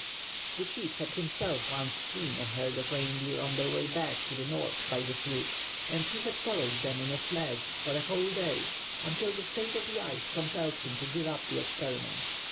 The chief had himself once seen a herd of reindeer on their way back to the north by this route and he had followed them in a sledge for a whole day until the state of the ice compelled him to give up the experiment.